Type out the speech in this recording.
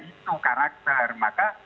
itu karakter maka